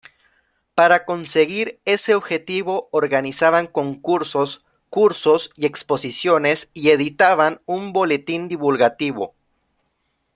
Para conseguir ese objetivo organizaban concursos, cursos y exposiciones y editaban un boletín divulgativo.